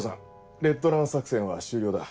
レッドラン作戦は終了だ。